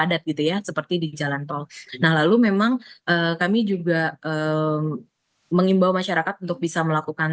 adat gitu ya seperti di jalan tol nah lalu memang kami juga mengimbau masyarakat untuk bisa melakukan